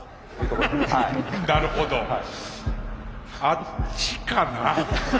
あっちかな？